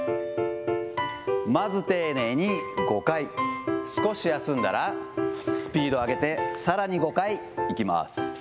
まず丁寧に５回、少し休んだら、スピード上げてさらに５回いきます。